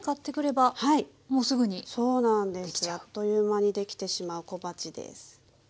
そうなんですあっという間にできてしまう小鉢です。